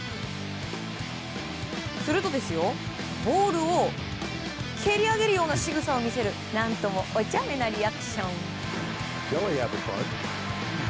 すると、ボールを蹴り上げるようなしぐさを見せる何ともお茶目なリアクション。